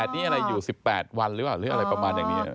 ๑๘นี่อะไรอยู่๑๘วันหรืออะไรประมาณอย่างนี้